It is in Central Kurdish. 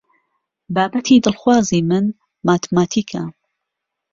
بابەتی دڵخوازی من ماتماتیکە.